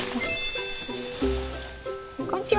こんにちは。